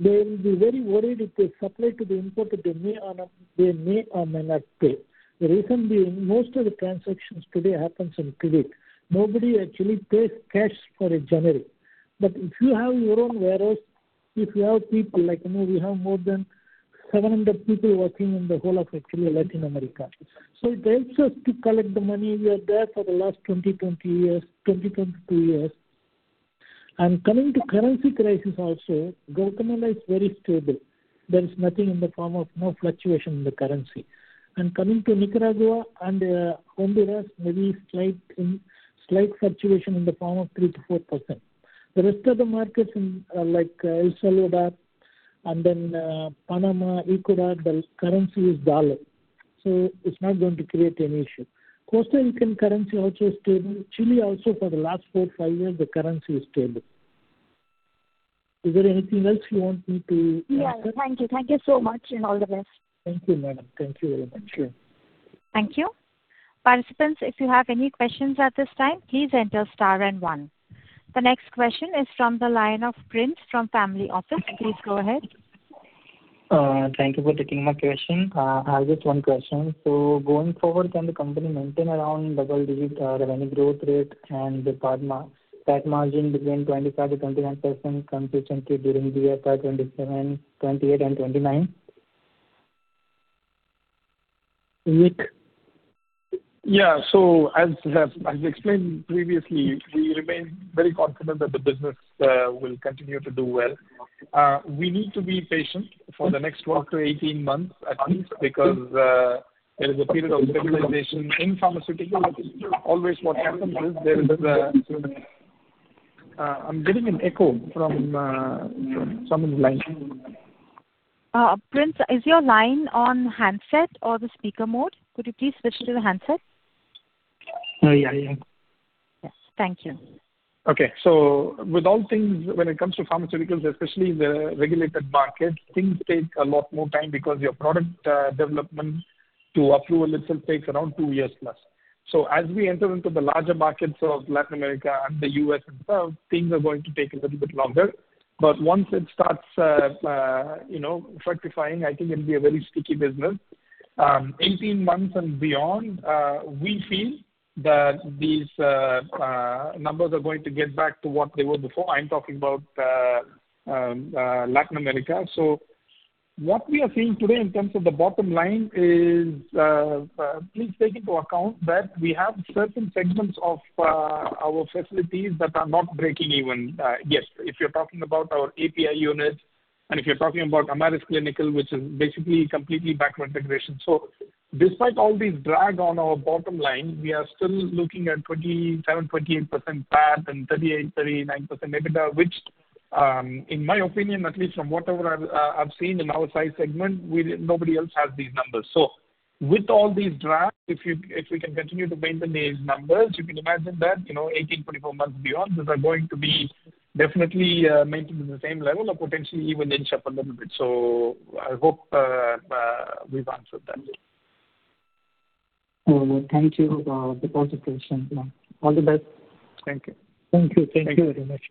They will be very worried if they supply to the importer, they may or not, they may or may not pay. The reason being most of the transactions today happens in credit. Nobody actually pays cash for a generic. If you have your own warehouse, if you have people, like, you know, we have more than 700 people working in the whole of actually Latin America. It helps us to collect the money. We are there for the last 20-22 years. Coming to currency crisis also, Guatemala is very stable. There is nothing in the form of no fluctuation in the currency. Coming to Nicaragua and Honduras, maybe slight fluctuation in the form of 3%-4%. The rest of the markets in like El Salvador and then Panama, Ecuador, the currency is dollar, so it's not going to create any issue. Costa Rican currency also is stable. Chile also for the last four, five years the currency is stable. Is there anything else you want me to answer? Yeah. Thank you. Thank you so much and all the best. Thank you, madam. Thank you very much. Sure. Thank you. Participants, if you have any questions at this time, please enter star and one. The next question is from the line of Prince from Family Office. Please go ahead. Thank you for taking my question. I have just one question. Going forward, can the company maintain around double digit revenue growth rate and the PAT margin between 25%-29% consistently during 2025, 2027, 2028 and 2029? Vivek? Yeah. As explained previously, we remain very confident that the business will continue to do well. We need to be patient for the next 12-18 months at least because there is a period of stabilization in pharmaceutical. Always what happens is there is a I'm getting an echo from someone's line. Prince, is your line on handset or the speaker mode? Could you please switch to the handset? Yeah. Yes. Thank you. With all things when it comes to pharmaceuticals, especially the regulated market, things take a lot more time because your product development to approval itself takes around two years plus. As we enter into the larger markets of Latin America and the U.S. itself, things are going to take a little bit longer. Once it starts, you know, fructifying, I think it'll be a very sticky business. 18 months and beyond, we feel that these numbers are going to get back to what they were before. I'm talking about Latin America. What we are seeing today in terms of the bottom line is, please take into account that we have certain segments of our facilities that are not breaking even. Yes, if you're talking about our API unit, and if you're talking about Amaris Clinical, which is basically completely backward integration. Despite all these drag on our bottom line, we are still looking at 27%-28% PAT and 38%-39% EBITDA, which, in my opinion, at least from whatever I've seen in our size segment, nobody else has these numbers. With all these drags, if we can continue to maintain these numbers, you can imagine that, you know, 18-24 months beyond, these are going to be definitely maintained at the same level or potentially even inch up a little bit. I hope we've answered that. Thank you, for the presentation. All the best. Thank you. Thank you. Thank you very much.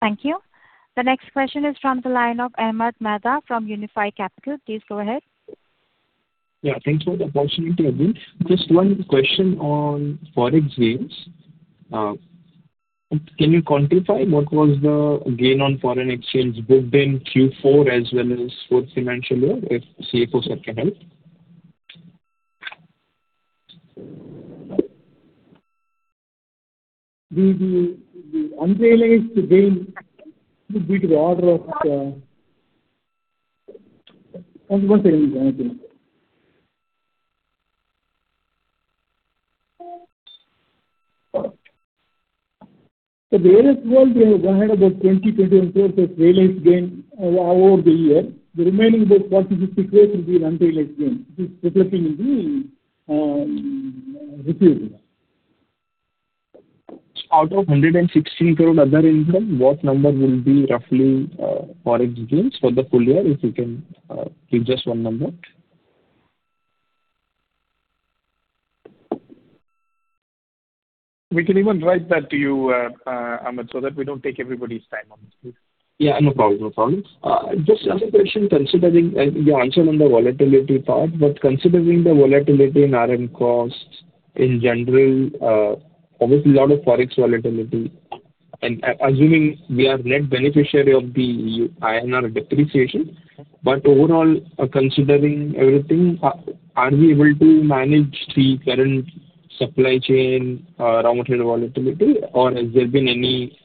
Thank you. The next question is from the line of Ahmed Madha from Unifi Capital. Please go ahead. Thanks for the opportunity, again. Just one question on forex gains. Can you quantify what was the gain on foreign exchange booked in Q4 as well as full financial year, if CFO sir can help? The unrealized gain will be to the order of. One second. One second. The year as a whole, we have gone ahead about 20 crores-21 crores of realized gain over the year. The remaining about 40 crores-60 crores will be unrealized gain, which is reflecting in the P&L. Out of 160 crore other income, what number will be roughly, forex gains for the full year, if you can, give just one number? We can even write that to you, Ahmed, so that we don't take everybody's time on this, please. Yeah. No problem. No problem. Just another question considering your answer on the volatility part. Considering the volatility in RM costs in general, obviously a lot of forex volatility, and assuming we are net beneficiary of the INR depreciation. Overall, considering everything, are we able to manage the current supply chain, raw material volatility, or has there been any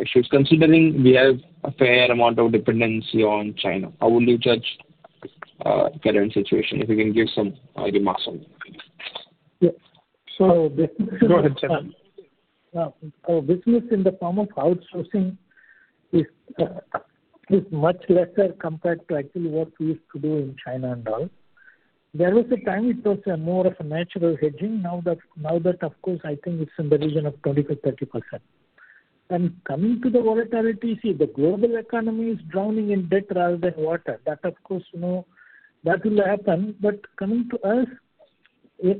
issues? Considering we have a fair amount of dependency on China, how would you judge the current situation? If you can give some remarks on that, please. Yeah. Go ahead, sir. Yeah. Our business in the form of outsourcing is much lesser compared to actually what we used to do in China and all. There was a time it was more of a natural hedging. Now that of course, I think it's in the region of 25%-30%. Coming to the volatility, see, the global economy is drowning in debt rather than water. That of course, you know, that will happen. Coming to us,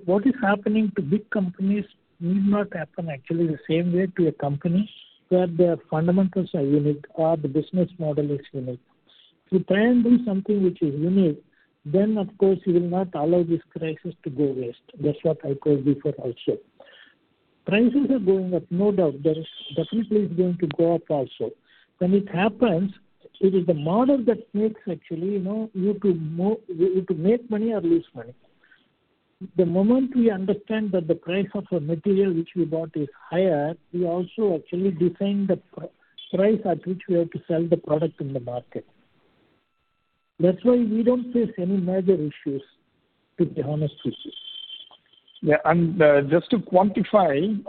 what is happening to big companies need not happen actually the same way to a company where the fundamentals are unique or the business model is unique. If you try and do something which is unique, then of course you will not allow this crisis to go waste. That's what I called before our ship. Prices are going up, no doubt. There is definitely going to go up also. When it happens, it is the model that makes actually, you know, you to make money or lose money. The moment we understand that the price of a material which we bought is higher, we also actually define the price at which we have to sell the product in the market. That's why we do not face any major issues, to be honest with you. Yeah. Just to quantify,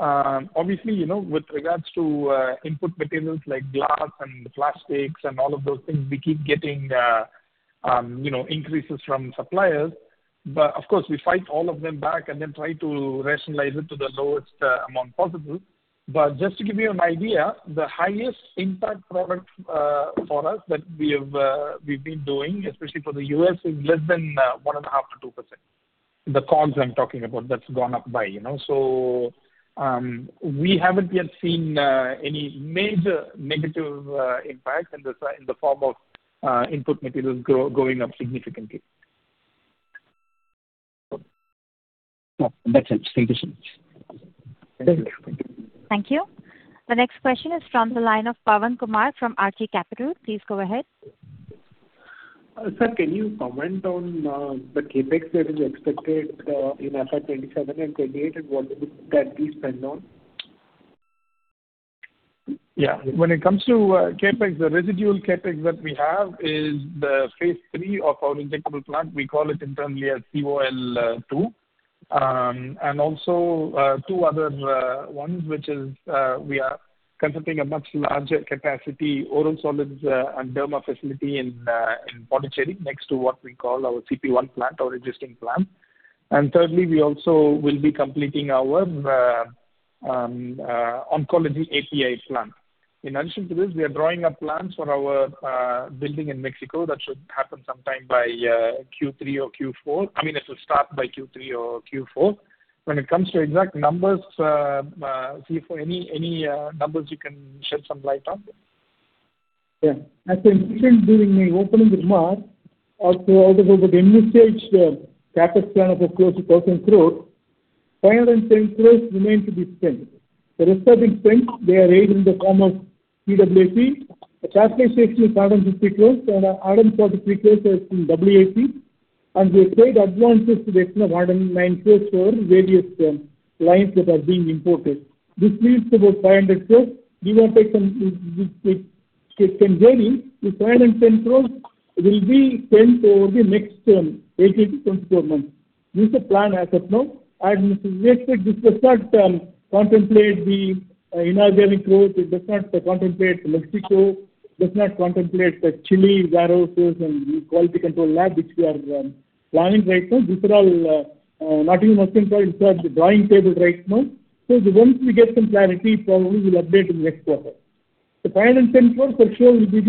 obviously, you know, with regards to input materials like glass and plastics and all of those things, we keep getting, you know, increases from suppliers. Of course, we fight all of them back and then try to rationalize it to the lowest amount possible. Just to give you an idea, the highest impact product for us that we have, we've been doing, especially for the U.S., is less than 1.5%-2%. The COGS I'm talking about that's gone up by, you know. We haven't yet seen any major negative impact in the form of input materials going up significantly. Yeah. That's it. Thank you so much. Thank you. Thank you. The next question is from the line of Pavan Kumar from RT Capital. Please go ahead. Sir, can you comment on the CapEx that is expected in FY 2027 and 2028, and what would that be spent on? When it comes to CapEx, the residual CapEx that we have is the phase III of our injectable plant. We call it internally as COL 2. Also, two other ones, which is, we are considering a much larger capacity oral solids and derma facility in Pondicherry next to what we call our CP-I plant, our existing plant. Thirdly, we also will be completing our oncology API plant. In addition to this, we are drawing up plans for our building in Mexico. That should happen sometime by Q3 or Q4. I mean, it will start by Q3 or Q4. When it comes to exact numbers, CFO, any numbers you can shed some light on? Yeah. As I mentioned during my opening remarks, out of the envisaged CapEx plan of close to 1,000 crores, 510 crores remain to be spent. The rest have been spent. They are made in the form of CWIP. The capitalized section is INR 150 crores and 143 crores are from CWIP, and we have paid advances to the extent of 109 crores for various lines that are being imported. This leaves about 500 crores, give or take some this year. This 510 crores will be spent over the next 18-24 months. This is the plan as of now. As we expected, this does not contemplate the inorganic growth. It does not contemplate Mexico. It does not contemplate the Chile warehouses and the quality control lab, which we are planning right now. These are all not even on control. It's at the drawing table right now. Once we get some clarity, probably we'll update in the next quarter. The INR 510 crores for sure will be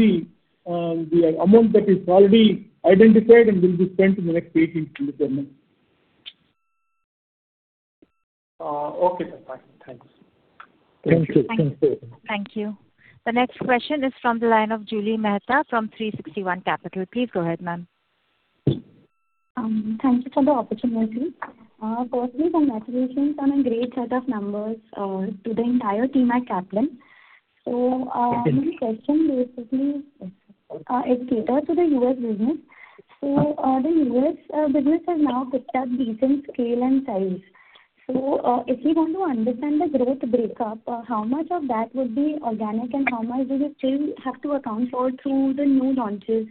the amount that is already identified and will be spent in the next 18-24 months. Okay, sir. Fine. Thanks. Thank you. Thank you. Thank you. The next question is from the line of Julie Mehta from 360 ONE Capital. Please go ahead, ma'am. Thank you for the opportunity. Firstly, congratulations on a great set of numbers to the entire team at Caplin. Thank you. My question basically, it caters to the U.S. business. The U.S. business has now picked up decent scale and size. If we want to understand the growth breakup, how much of that would be organic and how much would you still have to account for through the new launches,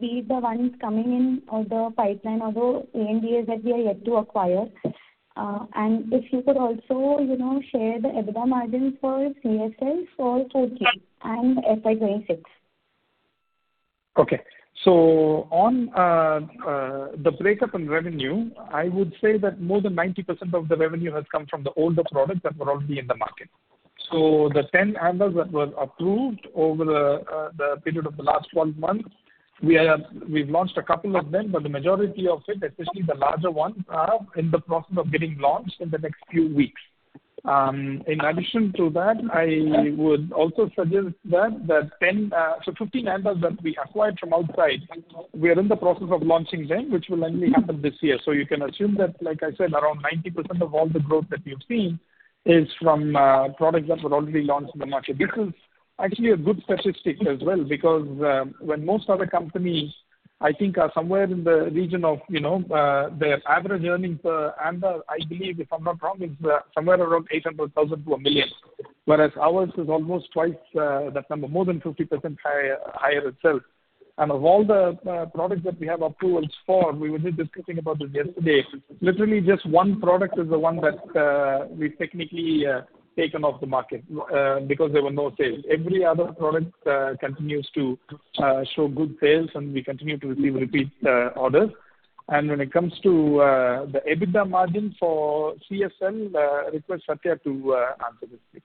be it the ones coming in or the pipeline or the ANDAs that we are yet to acquire? If you could also, you know, share the EBITDA margin for CSL for FY 2025 and FY 2026. Okay. On the breakup in revenue, I would say that more than 90% of the revenue has come from the older products that were already in the market. The 10 ANDAs that were approved over the period of the last 12 months, we've launched a couple of them, but the majority of it, especially the larger ones, are in the process of getting launched in the next few weeks. In addition to that, I would also suggest that 10, 15 ANDAs that we acquired from outside, we are in the process of launching them, which will only happen this year. You can assume that, like I said, around 90% of all the growth that you've seen is from products that were already launched in the market. This is actually a good statistic as well because, when most other companies, I think are somewhere in the region of, you know, their average earnings per ANDA, I believe, if I'm not wrong, is somewhere around 800,000-1 million. Whereas ours is almost twice that number, more than 50% higher itself. Of all the products that we have approvals for, we were just discussing about it yesterday, literally just one product is the one that we've technically taken off the market because there were no sales. Every other product continues to show good sales, and we continue to receive repeat orders. When it comes to the EBITDA margin for CSL, request Sathya to answer this, please.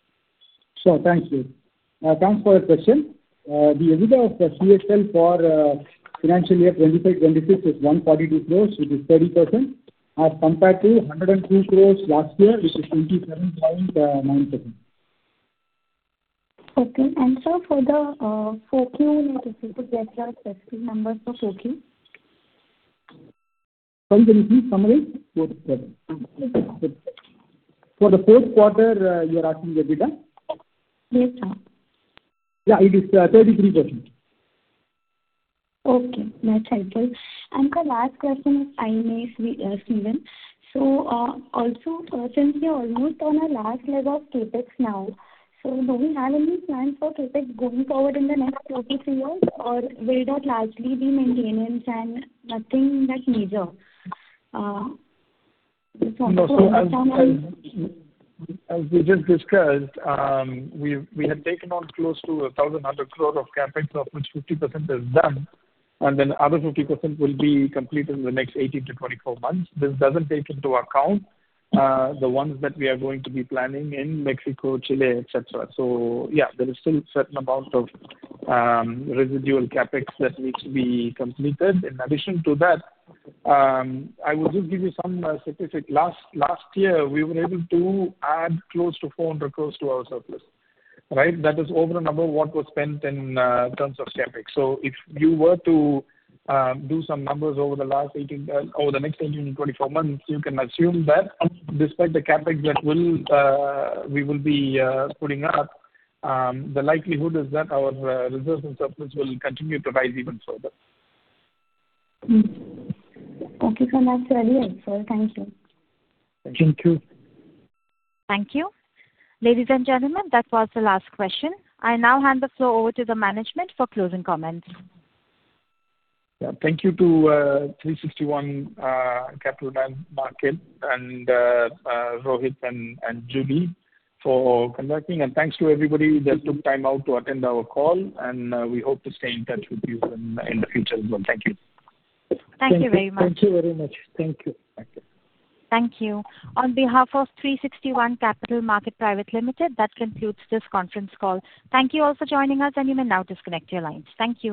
Sure. Thanks, Julie. Thanks for your question. The EBITDA of the CSL for financial year 2025-2026 is 142 crores, which is 30%, compared to 102 crores last year, which is 27.9%. Okay. Sir, for the 4Q, if you could break out specific numbers for 4Q? Sorry, can you please summarize for 4Q? Okay. For the 4th quarter, you're asking the EBITDA? Yes, sir. Yeah, it is, 33%. Okay. No, thank you. The last question is I may be asking then. Currently you are almost on a last leg of CapEx now. Do we have any plans for CapEx going forward in the next 24 months, or will that largely be maintenance and nothing that major? Just want to confirm. As we just discussed, we have taken on close to 1,100 crore of CapEx, of which 50% is done, other 50% will be completed in the next 18-24 months. This doesn't take into account the ones that we are going to be planning in Mexico, Chile, et cetera. There is still certain amount of residual CapEx that needs to be completed. In addition to that, I will just give you some statistic. Last year, we were able to add close to 400 crore to our surplus. Right? That is over and above what was spent in terms of CapEx. If you were to do some numbers over the last 18, over the next 18-24 months, you can assume that despite the CapEx we will be putting up, the likelihood is that our reserves and surplus will continue to rise even further. Okay. Sounds very helpful. Thank you. Thank you. Thank you. Ladies and gentlemen, that was the last question. I now hand the floor over to the management for closing comments. Yeah. Thank you to 360 ONE Capital Market and Rohit and Julie for conducting. Thanks to everybody that took time out to attend our call, and we hope to stay in touch with you in the future as well. Thank you. Thank you very much. Thank you. Thank you very much. Thank you. Thank you. Thank you. On behalf of 360 ONE Capital Market Private Limited, that concludes this conference call. Thank you all for joining us, and you may now disconnect your lines. Thank you.